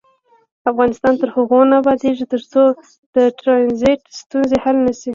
افغانستان تر هغو نه ابادیږي، ترڅو د ټرانزیت ستونزې حل نشي.